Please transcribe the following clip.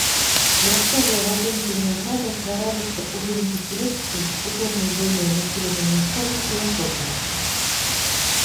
Мясцовыя гатункі вінаграда ствараліся ў выніку селекцыі ў кожнай буйной населенай мясцовасці ў асобнасці.